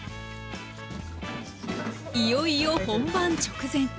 いよいよ本番直前。